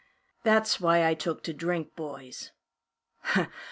"That's why I took to drink, boys.